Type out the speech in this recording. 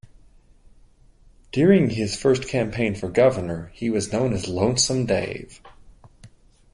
During his first campaign for governor, he was known as Lonesome Dave.